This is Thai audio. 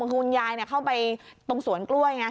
คุณยายเข้าไปตรงสวนกล้วยไง